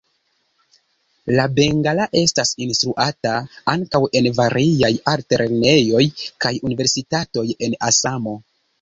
La bengala estas instruata ankaŭ en variaj altlernejoj kaj universitatoj en Asamo.